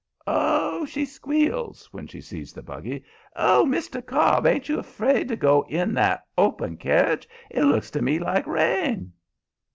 "Oh!" she squeals, when she sees the buggy. "Oh! Mr. Cobb. Ain't you afraid to go in that open carriage? It looks to me like rain."